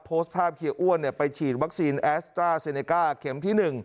โพสต์ภาพเฮีอ้วนไปฉีดวัคซีนแอสตราเซเนก้าเข็มที่๑